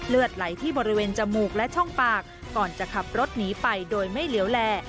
เลือดไหลที่บริเวณจมูกและช่องปากก่อนจะขับรถหนีไปโดยไม่เหลวแล